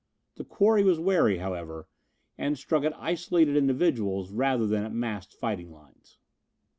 The quarry was wary, however, and struck at isolated individuals rather than massed fighting lines.